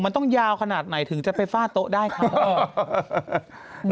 มันต้องยาวขนาดไหนถึงจะไปฟาดโต๊ะได้ครับ